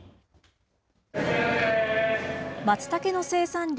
まつたけの生産量